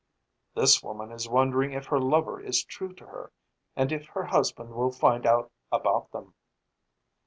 "This woman is wondering if her lover is true to her and if her husband will find out about them."